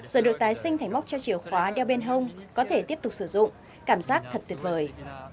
giờ được tái sinh thành móc cho chìa khóa đeo bên hông có thể tiếp tục sử dụng cảm giác thật tuyệt vời